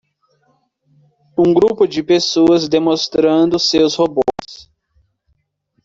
Um grupo de pessoas demonstrando seus robôs.